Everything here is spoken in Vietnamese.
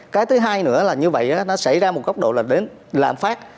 cái thứ hai nữa là như vậy nó xảy ra một góc độ là đến lạm phát